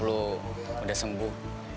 lu udah sembuh